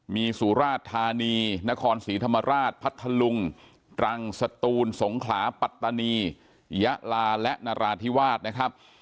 มีสุราชธานีนครศรีธรรมราชพัทธลุงตรังสตูนสงขลาปัตตานียะลาและนราธิวาสนะครับ